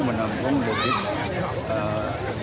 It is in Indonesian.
dan menanggung lebih banyak